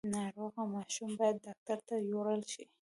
ناروغه ماشوم باید ډاکټر ته یووړل شي۔